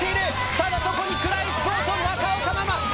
ただそこに食らいつこうと中岡ママ。